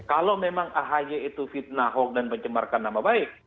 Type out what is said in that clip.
kalau memang ahy itu fitnah hoax dan pencemarkan nama baik